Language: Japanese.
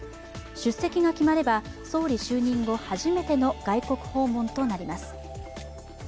出席が決まれば総理就任後初めての外国訪問となります。